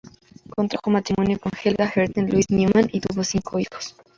Contrajo matrimonio con Helga Herta Luise Neumann y tuvo cinco hijos.